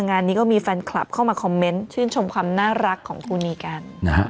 งานนี้ก็มีแฟนคลับเข้ามาคอมเมนต์ชื่นชมความน่ารักของคู่นีกัน